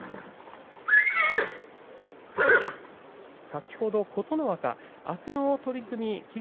先ほど琴ノ若、あすの取組霧